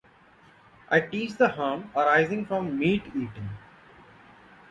I teach the harm arising from meat-eating.